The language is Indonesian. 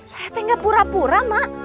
saya teh gak pura pura mak